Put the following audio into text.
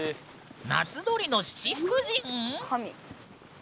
夏鳥の七福神⁉神。